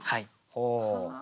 ほう。